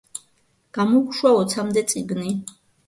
გამოუშვა ოცამდე წიგნი.